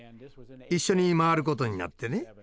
一緒に回ることになってね。